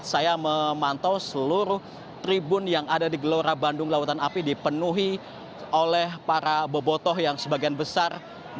saya memantau seluruh tribun yang ada di gelora bandung lautan api dipenuhi oleh para bobotoh yang sebagian besar